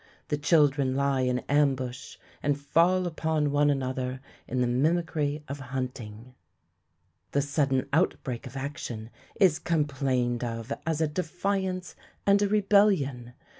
The children lie in ambush and fall upon one another in the mimicry of hunting. The sudden outbreak of action is complained of as a defiance and a rebellion.